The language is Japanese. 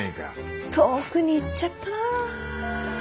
遠くに行っちゃったな。